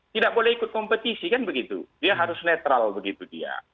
tidak boleh ikut kompetisi kan begitu dia harus netral begitu dia